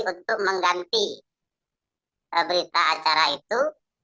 untuk mengganti berita acara itu